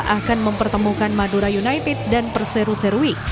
akan mempertemukan madura united dan perseru serui